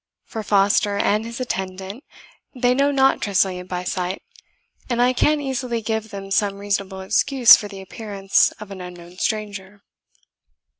For Foster and his attendant, they know not Tressilian by sight, and I can easily give them some reasonable excuse for the appearance of an unknown stranger."